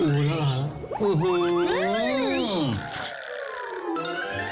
อื้อหือ